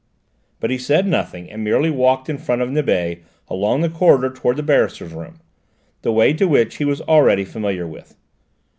But he said nothing, and merely walked in front of Nibet along the corridor towards the barristers' room, the way to which he was already familiar with.